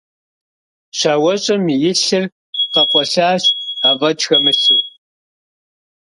Щауэщӏэм и лъыр къэкъуэлъащ афӏэкӏ хэмылъу.